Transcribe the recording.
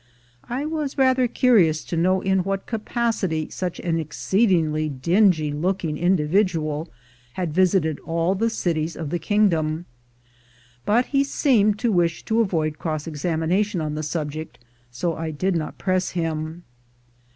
I was rather curious to know in what capacity such an exceedingly dingy looking individual had visited all the cities of the kingdom, but he seemed to wish to avoid cross examination on the subject, so I did not press him.